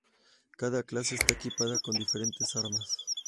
Cada clase está equipada con diferentes armas.